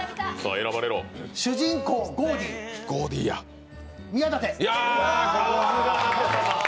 主人公のゴーディ、宮舘。